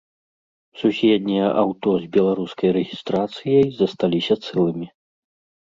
Суседнія аўто з беларускай рэгістрацыяй засталіся цэлымі.